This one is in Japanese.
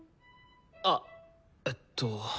あえっと。